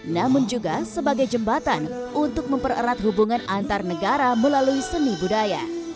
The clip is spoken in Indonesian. namun juga sebagai jembatan untuk mempererat hubungan antar negara melalui seni budaya